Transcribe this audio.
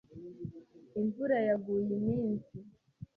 Imvura yaguye iminsi.